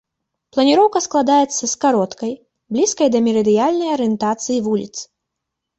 Планіроўка складаецца з кароткай, блізкай да мерыдыянальнай арыентацыі вуліцы.